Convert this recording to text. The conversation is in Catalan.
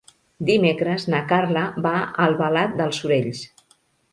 Dimecres na Carla va a Albalat dels Sorells.